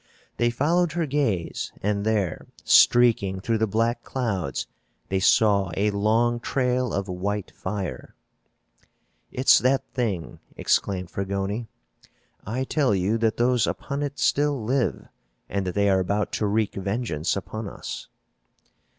They followed her gaze and there, streaking through the black clouds, they saw a long trail of white fire. "It's that thing!" exclaimed Fragoni. "I tell you that those upon it still live and that they are about to wreak vengeance upon us."